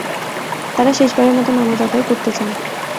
তারা শেষবারের মত নামায আদায় করতে চান।